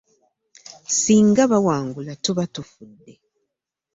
Ssinga bawangula tuba tufudde.